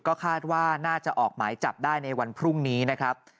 ก็คาดว่าน่าจะออกหมายจับได้ในวันพรุ่งนี้นะครับ